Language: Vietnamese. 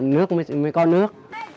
nước mới có nước